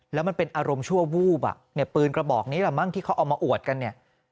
แล้วมันเป็นอารมณ์ชั่ววูบอ่ะเนี่ยปืนกระบอกนี้แหละมั้งที่เขาเอามาอวดกันเนี่ย